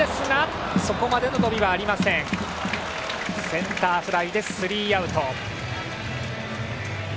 センターフライで、スリーアウト。